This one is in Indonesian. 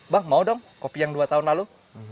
bah mau dong kopi yang dua tahun lalu